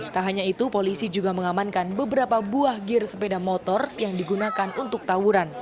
tak hanya itu polisi juga mengamankan beberapa buah gear sepeda motor yang digunakan untuk tawuran